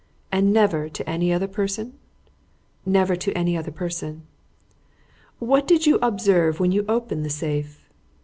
"And never to any other person?" "Never to any other person." "What did you observe when you opened the safe?"